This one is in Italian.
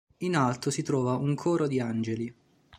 In alto si trova un coro di angeli.